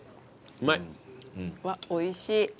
うわおいしい。